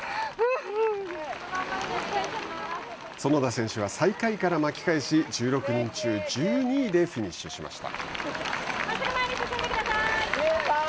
園田選手は最下位から巻き返し１６人中１２位でフィニッシュしました。